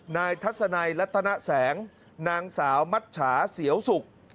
นายทัศนายลัตนาแสงนางสาวมัชฉาเสียวสุก